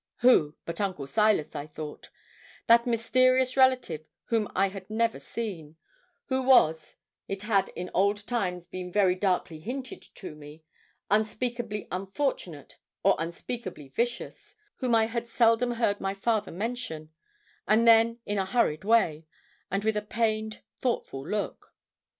Who but Uncle Silas, I thought that mysterious relative whom I had never seen who was, it had in old times been very darkly hinted to me, unspeakably unfortunate or unspeakably vicious whom I had seldom heard my father mention, and then in a hurried way, and with a pained, thoughtful look.